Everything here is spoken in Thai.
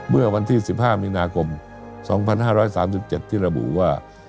เมื่อวันที่๑๕มีนาคม๒๕๓๗ที่ระบุว่า